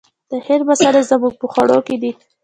د هند مسالې زموږ په خوړو کې دي.